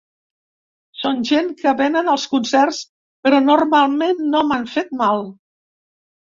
Són gent que vénen als concerts, però normalment no m’han fet mal.